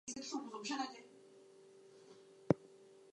All the people went down to the river to wash.